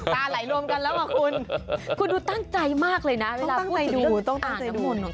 ตาไหลลวมกันแล้วหรอคุณคุณดูตั้งใจมากเลยนะเวลาพูดถึงเรื่องอาณมนต์ของตะทอง